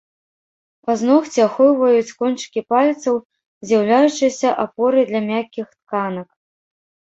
Пазногці ахоўваюць кончыкі пальцаў, з'яўляючыся апорай для мяккіх тканак.